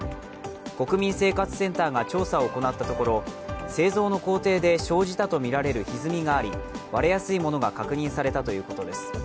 国民生活センターが調査を行ったところ、製造の工程で生じたとみられるひずみがあり割れやすいものが確認されたということです。